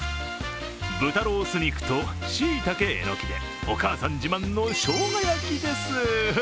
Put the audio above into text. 豚ロース肉としいたけ、えのきでお母さん自慢のしょうが焼きです。